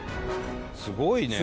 すごいね。